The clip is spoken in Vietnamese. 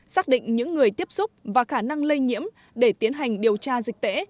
xác định những người tiếp xúc và khả năng lây nhiễm để tiến hành điều tra dịch tễ